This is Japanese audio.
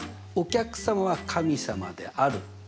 「お客様は神様である」